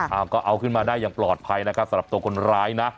เอาก็เอาขึ้นมาได้อย่างปลอดภัยนะครับสำหรับตัวคนร้ายนะ